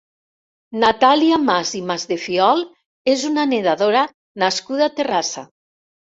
Natàlia Mas i Masdefiol és una nedadora nascuda a Terrassa.